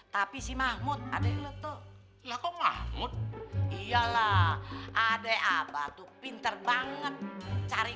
tapi si mahmud ada itu ilah nama muhammad iyalah ada abah tuh pinter banget mencari